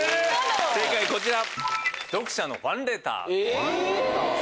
正解こちら。